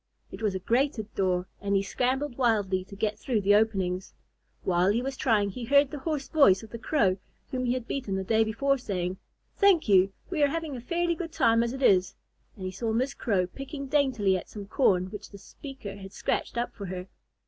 It was a grated door and he scrambled wildly to get through the openings. While he was trying, he heard the hoarse voice of the Crow whom he had beaten the day before, saying, "Thank you, we are having a fairly good time as it is"; and he saw Miss Crow picking daintily at some corn which the speaker had scratched up for her.